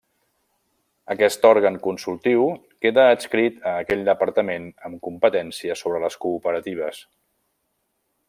Aquest òrgan consultiu queda adscrit a aquell departament amb competència sobre les cooperatives.